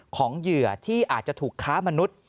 เหยื่อที่อาจจะถูกค้ามนุษย์